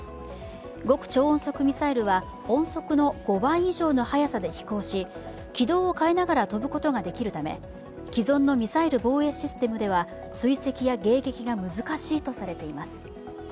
極超音速ミサイルは音速の５倍以上の速さで飛行し軌道を変えながら飛ぶことができるため、既存のミサイル防衛システムでは追跡や迎撃が難しいとされています。